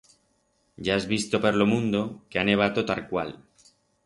Ya has visto per lo mundo que ha nevato tarcual